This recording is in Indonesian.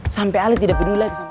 sampai ali tidak peduli lagi sama